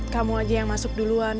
kamu aja yang masuk duluan